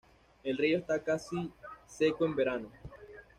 El río está casi seco en verano.